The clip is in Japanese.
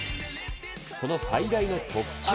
その最大の特徴が。